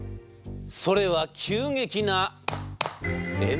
それは急激な「円高」。